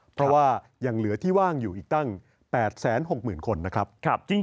เพราะว่ายังเหลือที่ว่างอยู่อีกตั้ง๘๖๐๐๐คนนะครับ